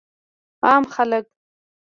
عام خلک